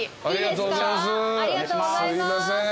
ありがとうございます。